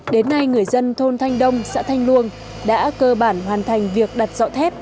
đến nay người dân thôn thanh đông xã thanh luông đã cơ bản hoàn thành việc đặt dọ thép